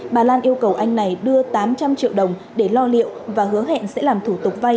bà lan yêu cầu anh này đưa tám trăm linh triệu đồng để lo liệu và hứa hẹn sẽ làm thủ tục vay